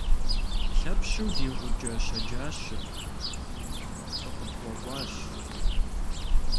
Лъэпщу ди гъукӏэ щэджащэ, дыкъыпхуэкӏуащ.